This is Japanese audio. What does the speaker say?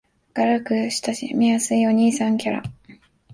明るく親しみやすいお兄さんキャラ